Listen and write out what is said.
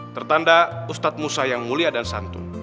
tertanda ustadz musa yang mulia dan santun